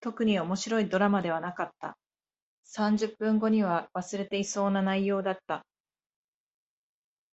特に面白いドラマではなかった。三十分後には忘れていそうな内容だった。